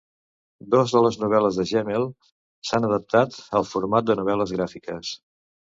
Dos de les novel·les de Gemmell s'han adaptat al format de novel·les gràfiques.